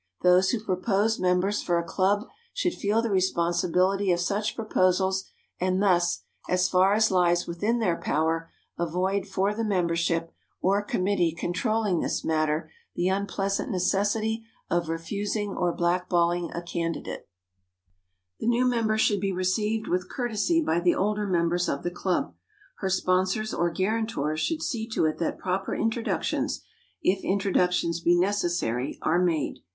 Those who propose members for a club should feel the responsibility of such proposals and thus, as far as lies within their power, avoid for the membership, or committee controlling this matter, the unpleasant necessity of refusing or blackballing a candidate. [Sidenote: ADDRESSING THE PRESIDENT] The new member should be received with courtesy by the older members of the club. Her sponsors or guarantors should see to it that proper introductions, if introductions be necessary, are made.